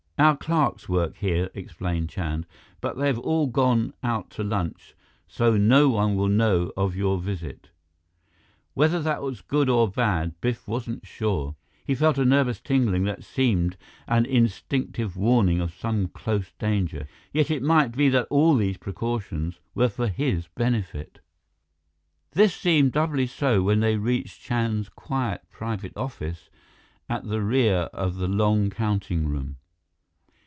"Our clerks work here," explained Chand, "but they have all gone out to lunch, so no one will know of your visit." Whether that was good or bad, Biff wasn't sure. He felt a nervous tingling that seemed an instinctive warning of some close danger; yet it might be that all these precautions were for his benefit. This seemed doubly so when they reached Chand's quiet private office at the rear of the long counting room.